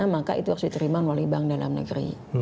maka itu harus diterima melalui bank dalam negeri